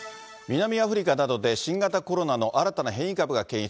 南アフリカなどで、新型コロナの新たな変異株が検出。